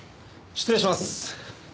失礼します。